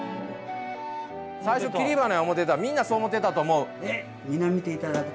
最初切り花やと思うてたみんなそう思ってたと思う。